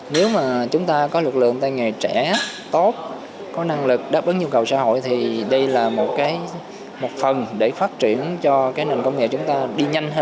nếu mà chúng ta có lực lượng tay nghề trẻ tốt có năng lực đáp ứng nhu cầu xã hội thì đây là một cái một phần để phát triển cho cái nền công nghệ chúng ta đi nhanh hơn